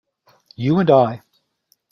You and I.